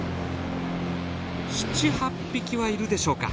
７８匹はいるでしょうか。